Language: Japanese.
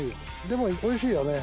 でもおいしいよね。